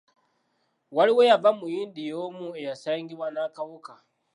Waaliwo eyava mu India omu eyasangibwa n'akawuka.